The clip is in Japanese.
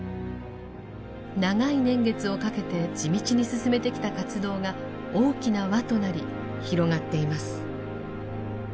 長い年月をかけて地道に進めてきた活動が大きな輪となり広がっています。